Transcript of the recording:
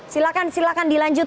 silakan silakan dilanjut